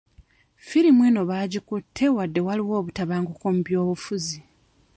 Firimu eno baagikutte wadde waliwo obutabanguko mu byobufuzi.